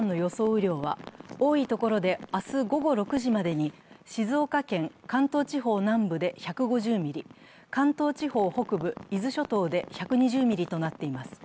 雨量は多い所で明日午後６時までに静岡県、関東地方南部で１５０ミリ、関東地方北部、伊豆諸島で１２０ミリとなっています。